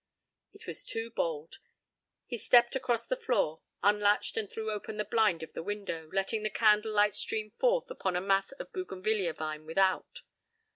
p> It was too bald. He stepped across the floor, unlatched and threw open the blind of the window, letting the candlelight stream forth upon a mass of bougainvillaea vine without.